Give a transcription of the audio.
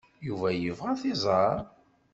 Yuba yebɣa ad t-iẓer.